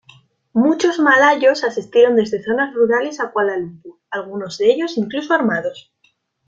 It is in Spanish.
Muchos malayos asistieron desde zonas rurales a Kuala Lumpur, algunos de ellos incluso armados.